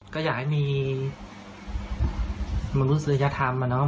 ก็อยากให้มีมนุษยธรรมอะเนาะ